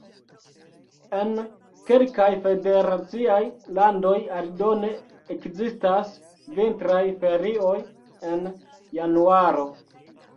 En kelkaj federaciaj landoj aldone ekzistas vintraj ferioj en januaro.